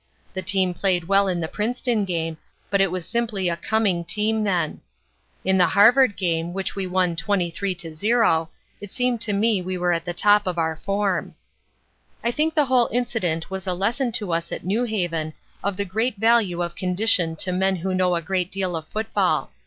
The team played well in the Princeton game, but it was simply a coming team then. In the Harvard game, which we won 23 to 0, it seemed to me that we were at the top of our form. "I think the whole incident was a lesson to us at New Haven of the great value of condition to men who know a great deal of football.